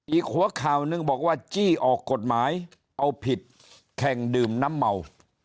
อีกหัวข่าวหนึ่งบอกว่าจี้ออกกฎหมายเอาผิดแข่งดื่มน้ำเมา